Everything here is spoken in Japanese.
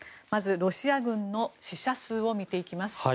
まずロシア軍の死者数を見ていきます。